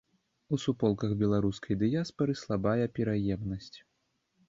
У суполках беларускай дыяспары слабая пераемнасць.